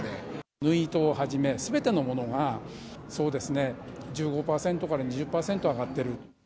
縫い糸をはじめ、すべての物がそうですね、１５％から２０％上がっている。